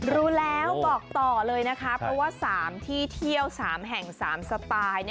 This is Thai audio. รู้แล้วบอกต่อเลยนะคะเพราะว่า๓ที่เที่ยว๓แห่ง๓สไตล์